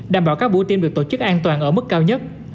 đảm bảo các buổi tiêm được tổ chức an toàn ở mức cao nhất